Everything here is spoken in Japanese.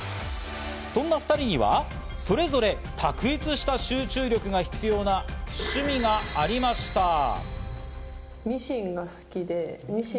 そんな２人にはそれぞれ卓越した集中力が必要な趣味がありました。